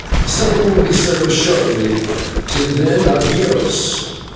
Supper will be served shortly, till then, /adios